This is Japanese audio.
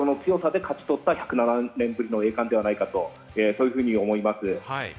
まさに心の強さで勝ち取った１０７年ぶりの栄冠ではないかと、そういうふうに思います。